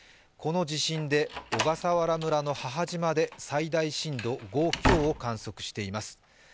この地震で小笠原村の母島で最大震度５強を観測しています。